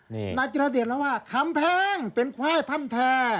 นายกิราเดชเขาเรียนแล้วว่าคำแพงเป็นควายพันธา